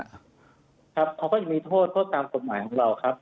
ครับเขาก็จะมีโทษทดตามคุณหมายของเราครับ